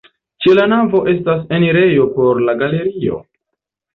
Ĉe la navo estas enirejo por la galerio.